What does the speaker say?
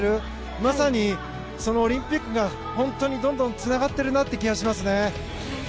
まさに、オリンピックがどんどんつながってるなっていう気がしますね。